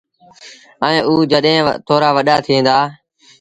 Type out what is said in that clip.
ائيٚݩ او جڏهيݩ ٿورآ وڏآ ٿيٚن دآ۔